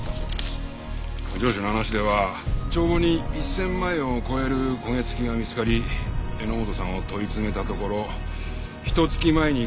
上司の話では帳簿に１０００万円を超える焦げつきが見つかり榎本さんを問い詰めたところひと月前に５００万円